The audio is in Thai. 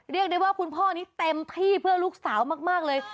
เรียกได้ว่าคุณพ่อนี้เต็มที่เพื่อลูกสาวมากเลย